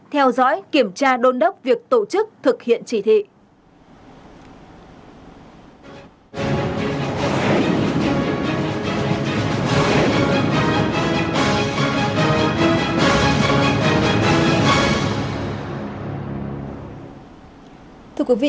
theo dõi kiểm tra đôn đốc việc tổ chức thực hiện chỉ thị